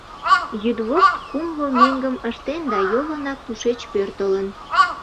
Йӱдвошт кумло меҥгым ыштен да йолынак тушеч пӧртылын.